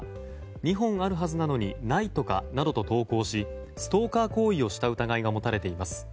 ２本あるはずなどにないとか？などと投稿しストーカー行為をした疑いが持たれています。